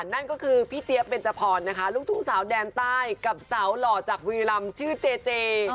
นั่นก็คือพี่เจี๊ยบเบนจพรนะคะลูกทุ่งสาวแดนใต้กับสาวหล่อจากบุรีรำชื่อเจเจ